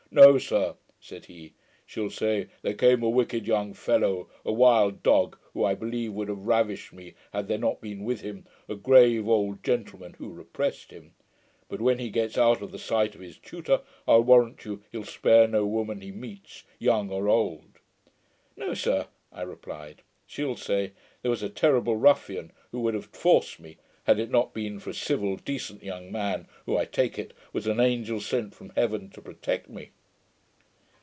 'No, sir,' said he, 'she'll say, '"There came a wicked young fellow, a wild dog, who I believe would have ravished me, had there not been with him a grave old gentleman, who repressed him: but when he gets out of the sight of his tutor, I'll warrant you he'll spare no woman he meets, young or old."' 'No, sir,' I replied, 'she'll say, "There was a terrible ruffian who would have forced me, had it not been for a civil decent young man who, I take it, was an angel sent from heaven to protect me."'